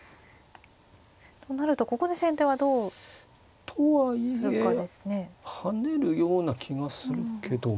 となるとここで先手はどうするかですね。とはいえ跳ねるような気がするけども。